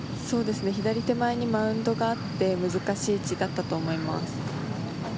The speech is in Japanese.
左手前にマウンドがあって難しい位置だったと思います。